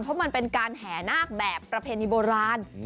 เพราะมันเป็นการแห่นาคแบบประเพณีโบราณ